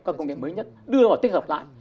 các công nghệ mới nhất đưa vào tích hợp lại